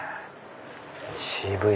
渋い。